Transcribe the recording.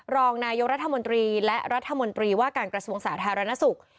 รองนายกรัฐมนตรีและรัฐมนตรีว่าการกระทรวงสาธารณสุข